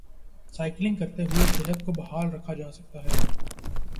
cycling کرتے ہوئے صحت کو بحال رکھا جا سکتا ہے